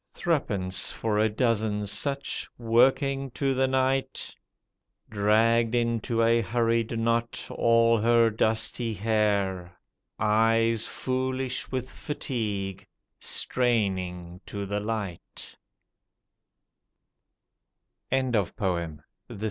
Threepence for a dozen such, working to the night. Dragged into a hurried knot all her dusty hair — Eyes foolish with fatigue straining to the light.